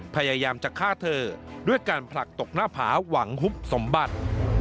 พยายามจะฆ่าเธอด้วยการผลักตกหน้าผาหวังฮุบสมบัติ